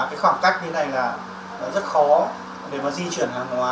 cái khoảng cách như thế này là rất khó để mà di chuyển hàng hóa